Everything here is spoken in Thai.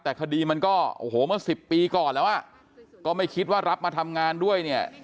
แต่คดีมันก็โอ้โหเมื่อ๑๐ปีก่อนแล้วอ่ะก็ไม่คิดว่ารับมาทำงานด้วยเนี่ย